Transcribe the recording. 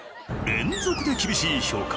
連続で厳しい評価。